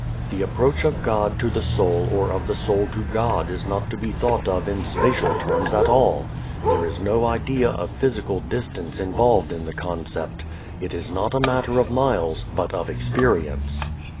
The approach of God to the soul or of the soul to God is not to be thought of in spatial terms at all. There is no idea of physical distance involved in the concept. It is not a matter of miles but of experience.